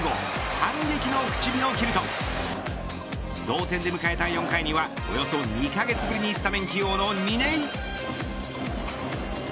反撃の口火を切ると同点で迎えた４回にはおよそ２カ月ぶりにスタメン起用の嶺井。